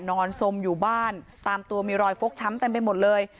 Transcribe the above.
นอนสมอยู่บ้านตามตัวมีรอยฟกช้ำเต็มไปหมดเลย